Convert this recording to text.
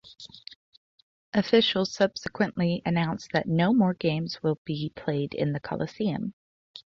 Officials subsequently announced that no more games will be played in the Coliseum.